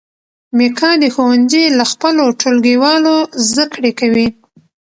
میکا د ښوونځي له خپلو ټولګیوالو زده کړې کوي.